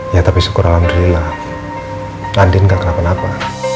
ya tapi syukur alhamdulillah raden gak kenapa napa